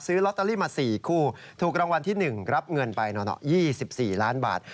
ลอตเตอรี่มา๔คู่ถูกรางวัลที่๑รับเงินไปหน่อ๒๔ล้านบาท